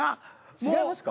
違いますか？